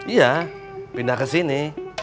iya pindah ke sini